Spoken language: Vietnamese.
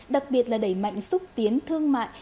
đặc biệt là đẩy mạnh xúc tiến thương mại